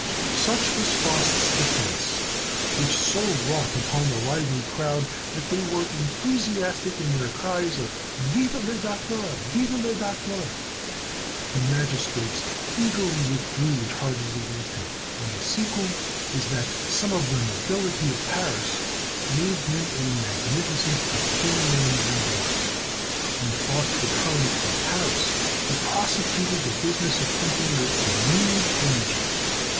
Such was Faust's defence, which so wrought upon the lively crowd that they were enthusiastic in their cries of "Vive le Docteur! vive le Docteur!" The magistrates eagerly withdrew the charges against him; and the sequel was that some of the nobility of Paris made him a magnificent pecuniary reward. When Faust returned from Paris, he prosecuted the business of printing with renewed energy.